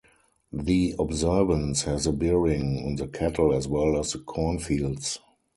The observance has a bearing on the cattle as well as the cornfields.